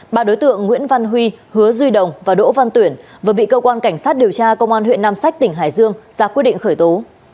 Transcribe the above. ba đối tượng nguyễn văn huy hứa duy đồng và đỗ văn tuyển vừa bị cơ quan cảnh sát điều tra công an huyện nam sách tỉnh hải dương ra quyết định khởi tố